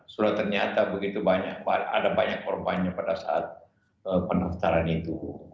sudah ternyata begitu banyak ada banyak korbannya pada saat pendaftaran itu